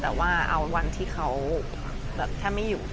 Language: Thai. แต่ว่าเอาวันที่เขาแบบแทบไม่อยู่